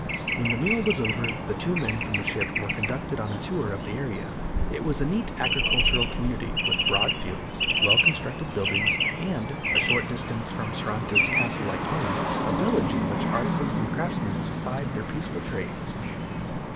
When the meal was over, the two men from the ship were conducted on a tour of the area. It was a neat agricultural community, with broad fields, well constructed buildings and, a short distance from Saranta's castle like home, a village in which artisans and craftsmen plied their peaceful trades.